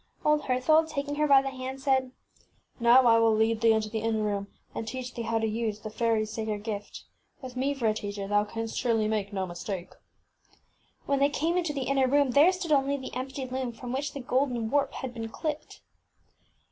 Old Her thold, taking her by the hand, said, ŌĆśNow I will lead thee into the inner room and teach thee how to use the fairyŌĆÖs sacred gift. With me for a teach er thou canst surely make no mistake. ŌĆÖ W&t OCleatiers When they came into the inner room there stood only the empty loom from which the golden warp had been clipped.